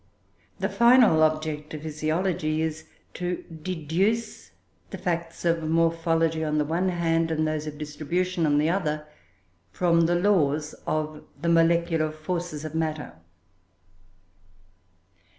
The final object of physiology is to deduce the facts of morphology, on the one hand, and those of distribution on the other, from the laws of the molecular forces of matter.